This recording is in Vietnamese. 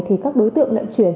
thì các đối tượng lại chuyển